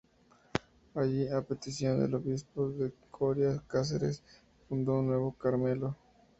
Allí, a petición del obispo de Coria-Cáceres, fundó un nuevo Carmelo.